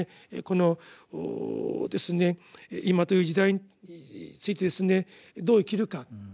この今という時代についてですねどう生きるか。